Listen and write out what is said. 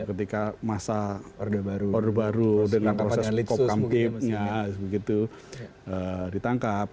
ketika masa order baru dengan proses kokam tipnya gitu ditangkap